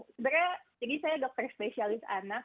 sebenarnya jadi saya dokter spesialis anak